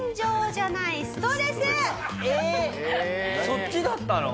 そっちだったの？